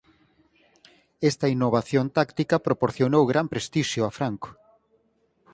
Esta innovación táctica proporcionou gran prestixio a Franco.